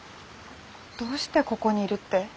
どうしてここにいるって？